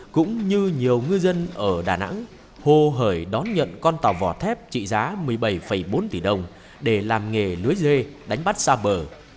cũng như nhiều ngư dân ở đà nẵng hồ hởi đón nhận con tàu vỏ thép trị giá một mươi bảy bốn tỷ đồng để làm nghề lưới dê đánh bắt xa bờ